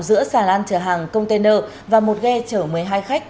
giữa xà lan chở hàng container và một ghe chở một mươi hai khách